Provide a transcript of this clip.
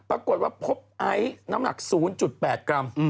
ปรากฏว่าพบไอซ์น้ำหนัก๐๘กรัม